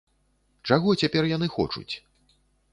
Чаго цяпер яны хочуць?